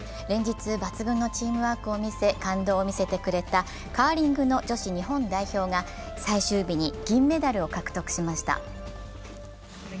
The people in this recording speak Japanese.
連日抜群のチームワークを見せ、感動を見せてくれたカーリングの女子日本代表が最終日に銀メダルを獲得しました。